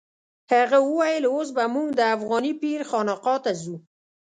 هغه وویل اوس به موږ د افغاني پیر خانقا ته ځو.